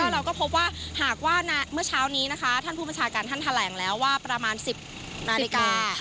เราก็พบว่าหากว่าเมื่อเช้านี้นะคะท่านผู้บัญชาการท่านแถลงแล้วว่าประมาณ๑๐นาฬิกา